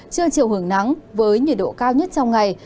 chưa chịu hưởng nắng với nhiệt độ cao nhất trong ngày